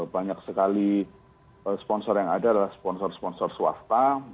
banyak sekali sponsor yang ada adalah sponsor sponsor swasta